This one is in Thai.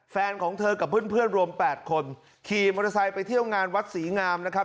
ของเธอกับเพื่อนรวม๘คนขี่มอเตอร์ไซค์ไปเที่ยวงานวัดศรีงามนะครับ